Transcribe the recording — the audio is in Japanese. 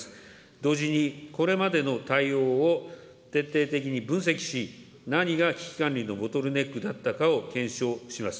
同時に、これまでの対応を徹底的に分析し、何が危機管理のボトルネックだったかを検証します。